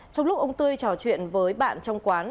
trong lúc ông tươi trò chuyện với bạn trong quán